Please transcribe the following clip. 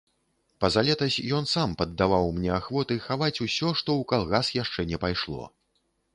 Пазалетась ён сам паддаваў мне ахвоты хаваць усё, што ў калгас яшчэ не пайшло.